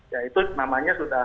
ya itu namanya sudah